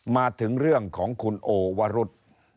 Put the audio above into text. มาถึงเรื่องของคุณโอวรุษ